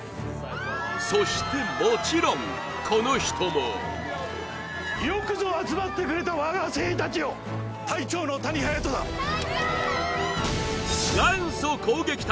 そしてもちろんこの人もよくぞ集まってくれた我が精鋭たちよ隊長の谷隼人だ・隊長！